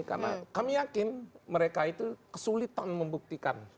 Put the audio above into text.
karena kami yakin mereka itu kesulitan membuktikan